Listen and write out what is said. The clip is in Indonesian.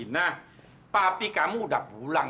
nah papi kamu udah pulang